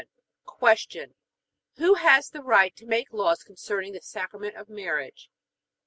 Q. Who has the right to make laws concerning the Sacrament of marriage?